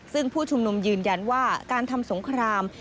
ซึ่งผู้ชุมนุมยืนยันว่าการทำสงคราม